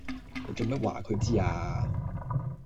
你做咩話佢知呀